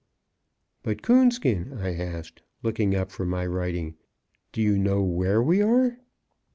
"But Coonskin," I asked, looking up from my writing, "do you know where we are?"